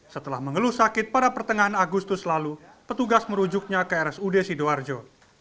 setelah mengeluh sakit pada pertengahan agustus lalu petugas merujuknya ke rsud sidoarjo